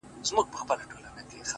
روح مي خبري وکړې روح مي په سندرو ويل؛